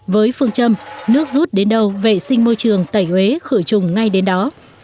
với phương châm nước rút đến đầu vệ sinh môi trường tại huế khởi trùng ngay đến đó